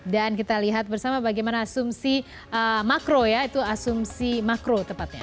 kita lihat bersama bagaimana asumsi makro ya itu asumsi makro tepatnya